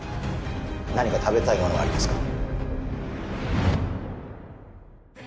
何か食べたいものはありますか？